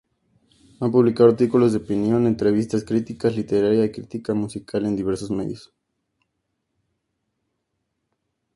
Ha publicado artículos de opinión, entrevistas, crítica literaria y crítica musical en diversos medios.